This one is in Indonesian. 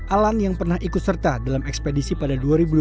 alan yang pernah ikut serta dalam ekspedisi pada dua ribu dua puluh dua